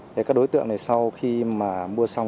thì các đối tượng này sau khi mà mua xong